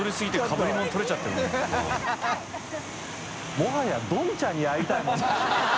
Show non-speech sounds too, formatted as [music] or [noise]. もはやどんちゃんに会いたいもんね [laughs]